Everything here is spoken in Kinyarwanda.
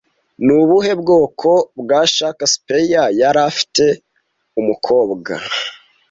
Ni ubuhe bwoko bwa Shakespeare yari afite umukobwa